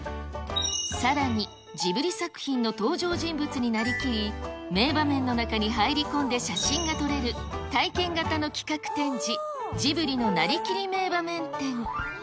さらに、ジブリ作品の登場人物になりきり、名場面の中に入り込んで写真が撮れる、体験型の企画展示、ジブリのなりきり名場面展。